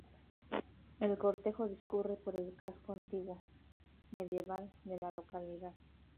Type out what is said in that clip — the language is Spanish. El cortejo discurre por el casco antiguo medieval de la localidad.